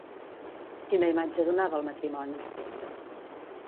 Quina imatge donava el matrimoni?